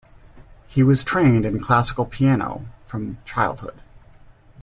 He was trained in classical piano from childhood.